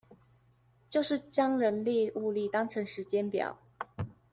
就是將人力物力當成時間表